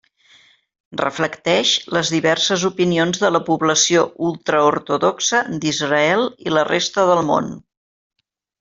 Reflecteix les diverses opinions de la població ultraortodoxa d'Israel i la resta del món.